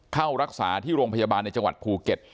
เข้ารักษาที่โรงพยาบาลในจังหวัดภูเก็ต